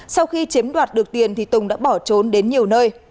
sau khi chiếm đoạt được tiền thì tùng đã bỏ trốn đến nhiều nơi